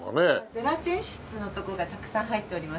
ゼラチン質のところがたくさん入っております。